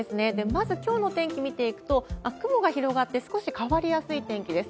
まず、きょうの天気見ていくと、雲が広がって、少し変わりやすい天気です。